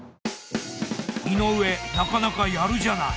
井上なかなかやるじゃない。